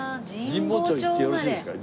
神保町行ってよろしいですか？